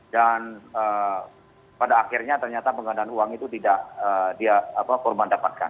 dan pada akhirnya ternyata penggandaan uang itu tidak dia korban dapatkan